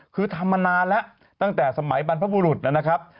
คือทำมานานแล้วตั้งแต่สมัยบรรพบุรุษนะครับ